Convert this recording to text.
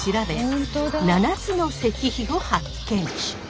７つの石碑を発見。